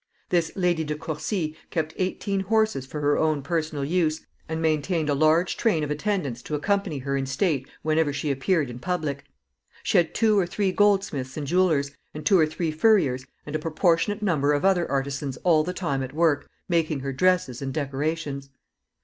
This Lady De Courcy kept eighteen horses for her own personal use, and maintained a large train of attendants to accompany her in state whenever she appeared in public. She had two or three goldsmiths and jewelers, and two or three furriers, and a proportionate number of other artisans all the time at work, making her dresses and decorations.